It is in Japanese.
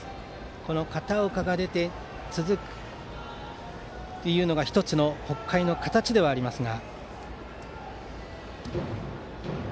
この片岡が出てその後も続くというのが１つの北海の形ですが。